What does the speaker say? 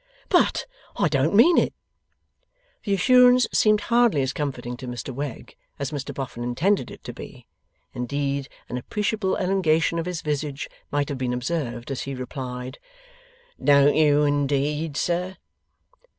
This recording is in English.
'But I DON'T mean it.' The assurance seemed hardly as comforting to Mr Wegg, as Mr Boffin intended it to be. Indeed, an appreciable elongation of his visage might have been observed as he replied: 'Don't you, indeed, sir?